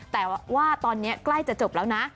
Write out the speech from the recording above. แต่ว่าตอนนี้ใกล้จะจบแล้วนะ